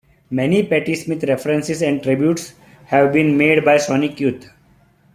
Many Patti Smith references and tributes have been made by Sonic Youth.